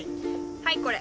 はいこれ。